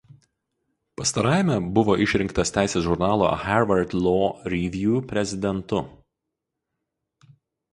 Pastarajame buvo išrinktas teisės žurnalo „Harvard Law Review“ prezidentu.